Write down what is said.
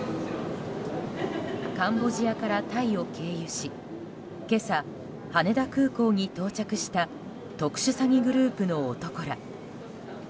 カンボジアからタイを経由し今朝、羽田空港に到着した特殊詐欺グループの男ら。